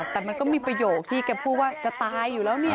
แต่มันก็มีประโยคที่แกพูดว่าจะตายอยู่แล้วเนี่ย